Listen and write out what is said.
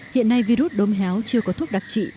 hiện nay virus đốm héo chưa có thuốc đặc trị